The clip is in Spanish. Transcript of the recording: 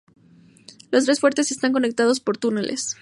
Los tres fuertes están conectados por túneles.